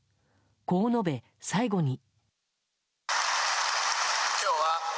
こう述べ、最後に。